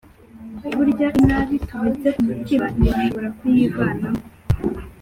burya inabi tubitse ku mutima ntitwashobora kuyivamo